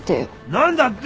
何だって？